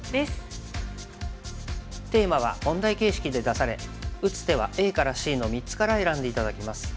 テーマは問題形式で出され打つ手はＡからＣの３つから選んで頂きます。